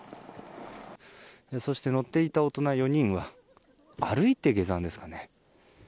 そして乗っていた大人４人は歩いて下山ですかね。